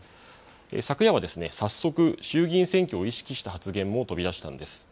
昨夜は早速、衆議院選挙を意識した発言も飛び出したんです。